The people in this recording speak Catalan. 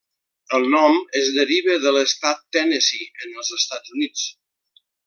El nom es deriva de l'estat Tennessee en els Estats Units.